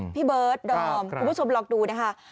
พี่เบิร์ตดอมคุณผู้ชมลองดูนะคะค่ะครับ